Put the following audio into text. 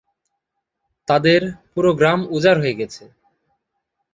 তাদের পুরো গ্রাম উজাড় হয়ে গেছে।